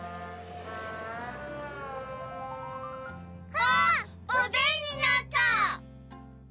あっおでんになった！